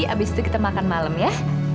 abis itu kita makan malam ya